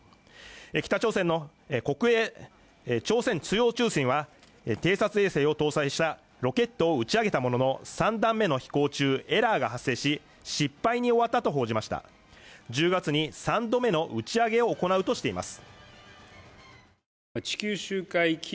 北朝鮮の朝鮮中央通信は偵察衛星を搭載したロケットを打ち上げたものの３段目の飛行中エラーが発生し失敗に終わったと報じました１０月に３度目の打ち上げを行うとしています